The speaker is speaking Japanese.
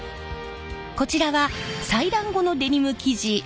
こちらは裁断後のデニム生地。